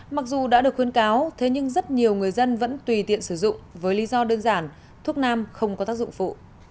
mặc dù đã được khuyến cáo thế nhưng rất nhiều người dân vẫn tùy tiện sử dụng với lý do đơn giản thuốc nam không có tác dụng phụ